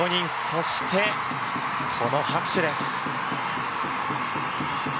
そして、この拍手です。